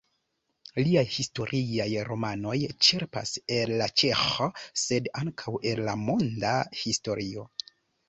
Liaj historiaj romanoj ĉerpas el la ĉeĥa, sed ankaŭ el la monda historio.